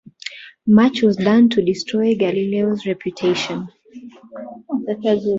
Much was done to destroy Galileo's reputation.